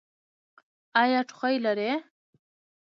ایا ټوخی لرئ؟